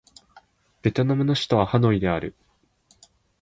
ベトナムの首都はハノイである